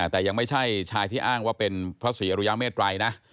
แต่ยังไม่ใช่ชายที่อ้างว่าเป็นพระศรีอรุยาเมตรัยนะ